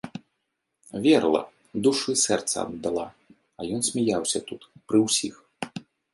Верыла, душу і сэрца аддала, а ён смяяўся тут, пры ўсіх.